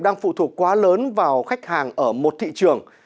đang phụ thuộc quá lớn vào khách hàng ở một thị trường